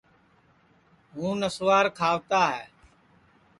ہُوں نسوار کھاوتا ہے